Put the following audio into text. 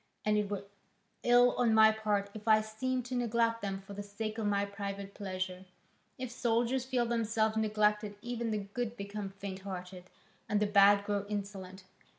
And it were ill on my part if I seemed to neglect them for the sake of my private pleasure. If soldiers feel themselves neglected even the good become faint hearted, and the bad grow insolent.